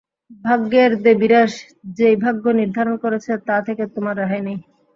ভাগ্যের দেবীরা যেই ভাগ্য নির্ধারণ করেছে, তা থেকে তোমার রেহাই নেই।